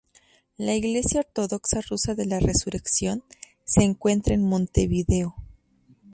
La Iglesia Ortodoxa Rusa de la Resurrección se encuentra en Montevideo.